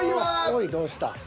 おいどうした。